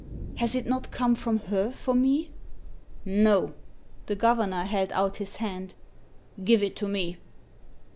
Has it not come from her for me? "No. The governor held out his hand. "Give it to me.